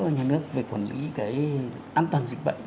của nhà nước về quản lý cái an toàn dịch bệnh